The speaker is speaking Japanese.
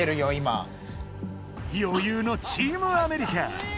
余裕のチームアメリカ。